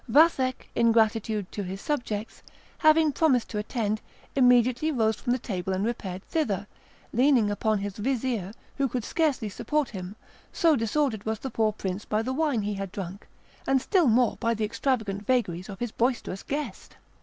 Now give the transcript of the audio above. Vathek, in gratitude to his subjects, having promised to attend, immediately rose from table and repaired thither, leaning upon his vizir, who could scarcely support him, so disordered was the poor prince by the wine he had drunk, and still more by the extravagant vagaries of his boisterous guest.